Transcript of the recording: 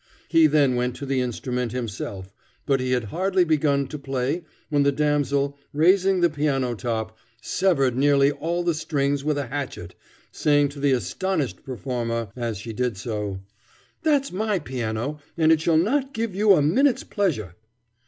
He then went to the instrument himself, but he had hardly begun to play when the damsel, raising the piano top, severed nearly all the strings with a hatchet, saying to the astonished performer, as she did so, "That's my piano, and it shall not give you a minute's pleasure."